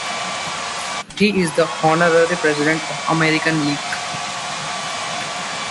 He is the honorary President of the American League.